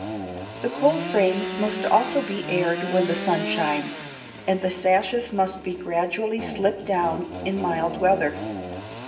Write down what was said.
The cold frame also must be aired when the sun shines, and the sashes must be gradually slipped down in mild weather.